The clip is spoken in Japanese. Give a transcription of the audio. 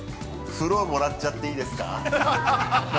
◆風呂、もらっちゃっていいですか。